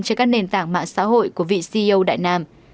trên các nền tảng mạng xã hội của vị ceo đại nam